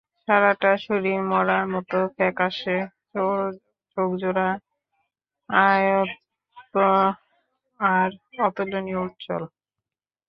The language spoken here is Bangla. সারাটা শরীর মড়ার মতো ফ্যাকাসে, চোখজোড়া আয়ত আর অতুলনীয় উজ্জ্বল।